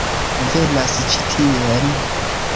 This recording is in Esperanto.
Venas ĉi tien!